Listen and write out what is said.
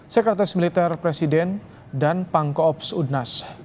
sekretaris militer presiden dan pangkoops unas